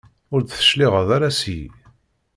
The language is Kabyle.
Ur d-tecliɛeḍ ara seg-i.